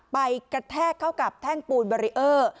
ไปกระแทกเข้ากับแท่งปูนบารีเออร์